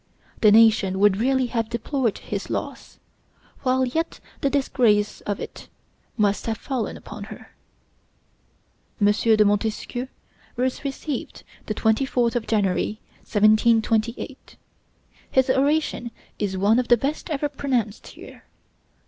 The nation would really have deplored his loss, while yet the disgrace of it must have fallen upon her. M. de Montesquieu was received the 24th of January, 1728. His oration is one of the best ever pronounced here.